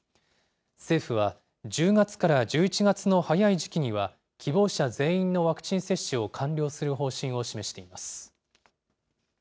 政府は、１０月から１１月の早い時期には、希望者全員のワクチン接種を完了する方針を示しています。